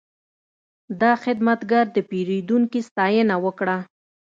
دا خدمتګر د پیرودونکي ستاینه وکړه.